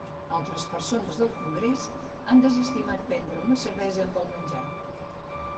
Altres persones del congrés han desestimat prendre una cervesa amb el menjar.